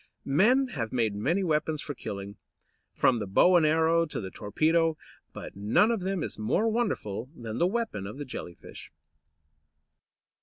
Men have made many weapons for killing, from the bow and arrow to the torpedo, but none of them is more wonderful than the weapon of the Jelly fish.